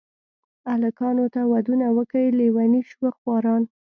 الکانو ته ودونه وکئ لېوني شوه خواران.